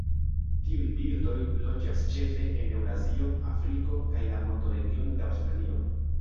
Tiuj birdoj loĝas ĉefe en Eŭrazio, Afriko kaj la mondoregiono de Aŭstralio.